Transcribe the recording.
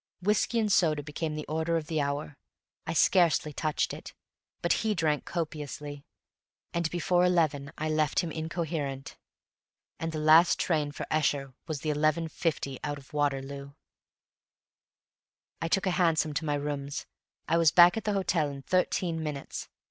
Whiskey and soda water became the order of the hour. I scarcely touched it, but he drank copiously, and before eleven I left him incoherent. And the last train for Esher was the 11.50 out of Waterloo. I took a hansom to my rooms. I was back at the hotel in thirteen minutes.